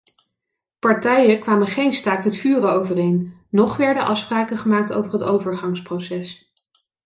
Partijen kwamen geen staakt-het-vuren overeen noch werden afspraken gemaakt over het overgangsproces.